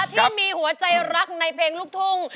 ที่มีหัวใจรักในเพลงลูกทุ่ง